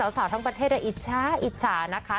สาวทั้งประเทศอิจฉาอิจฉานะคะ